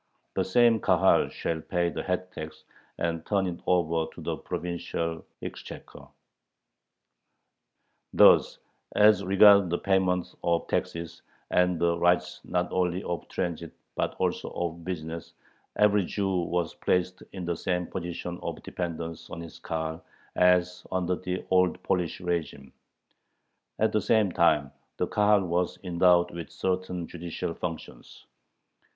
The same Kahal shall pay the head tax, and turn it over to the provincial exchequer. Thus, as regards the payment of taxes, and the rights not only of transit but also of business, every Jew was placed in the same position of dependence on his Kahal as under the old Polish régime. At the same time the Kahal was endowed with certain judicial functions.